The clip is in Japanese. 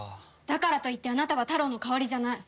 だからといってあなたはタロウの代わりじゃない。